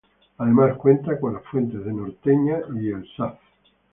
Además, cuenta con las fuentes de Norteña y el Saz.